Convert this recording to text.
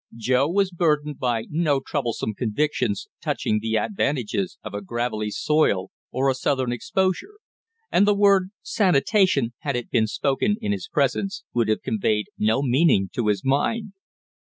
Joe was burdened by no troublesome convictions touching the advantages of a gravelly soil or a southern exposure, and the word sanitation had it been spoken in his presence would have conveyed no meaning to his mind.